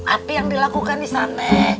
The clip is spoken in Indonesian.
apa yang dilakukan di sana